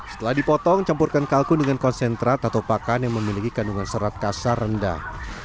setelah dipotong campurkan kalkun dengan konsentrat atau pakan yang memiliki kandungan serat kasar rendah